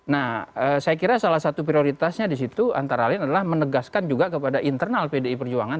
nah saya kira salah satu prioritasnya di situ antara lain adalah menegaskan juga kepada internal pdi perjuangan